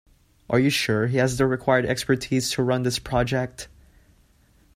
Are you sure he has the required expertise to run this project?